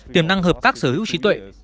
tiềm năng hợp tác sở hữu trí tuệ